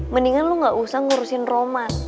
mendingan lu gak usah ngurusin roman